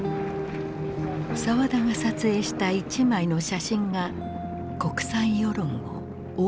沢田が撮影した一枚の写真が国際世論を大きく動かす。